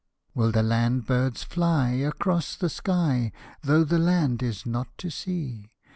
Will the land birds fly across the sky, Though the land is not to see?